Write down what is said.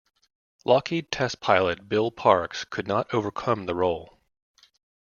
Lockheed test pilot Bill Parks could not overcome the roll.